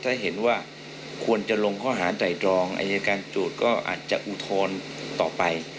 ถ้าเห็นว่าควรจะลงข้อหาไตรตรองอายการโจทย์ก็อาจจะอุทธรณ์ต่อไป